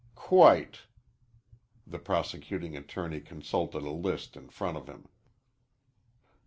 "Quite." The prosecuting attorney consulted a list in front of him.